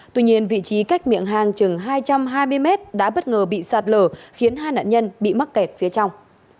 tuy nhiên vị trí cách miệng hang chừng hai trăm hai mươi mét đã bất ngờ bị sạt lở khiến hai nạn nhân bị mắc kẹt phía trong